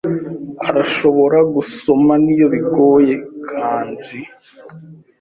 Arashobora gusoma niyo bigoye kanji.